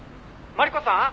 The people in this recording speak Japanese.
「マリコさん？」